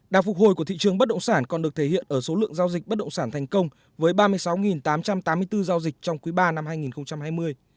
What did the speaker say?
đạt phục hồi của thị trường bất động sản còn được thể hiện ở số lượng giao dịch bất động sản thành công với ba mươi sáu tám trăm tám mươi bốn giao dịch trong quý ba năm hai nghìn hai mươi